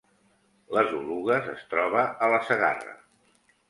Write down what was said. Les Oluges es troba a la Segarra